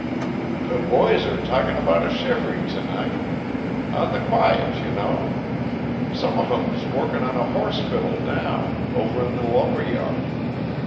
"The boys are talkin' about a shivaree t' night. On the quiet, y' know. Some of 'em's workin' on a horse fiddle now, over in the lumber yard.